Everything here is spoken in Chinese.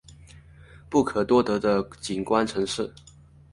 不可多得的景观城市